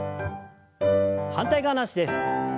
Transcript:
反対側の脚です。